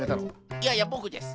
いやいやボクです。